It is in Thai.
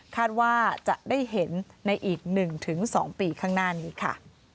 ว่าจะได้เห็นในอีก๑๒ปีข้างหน้านี้ค่ะ